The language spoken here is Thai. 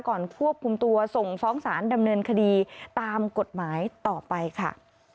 ควบคุมตัวส่งฟ้องสารดำเนินคดีตามกฎหมายต่อไปค่ะ